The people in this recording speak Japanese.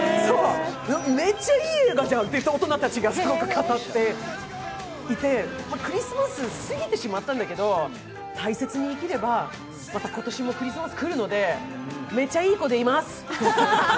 めっちゃいい映画じゃんって大人たちが語っていてクリスマスすぎてしまったんだけれども、大切に生きればまた今年もクリスマス来るのでめちゃいい子でいます。